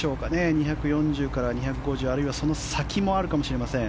２４０から２５０あるいはその先もあるかもしれません。